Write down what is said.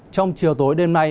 trong chiều tối đêm nay